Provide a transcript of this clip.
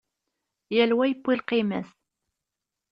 Yal wa yewwi lqima-s.